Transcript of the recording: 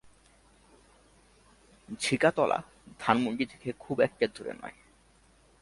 ঝিকাতলা ধানমন্ডি থেকে খুব একটা দূর নয়।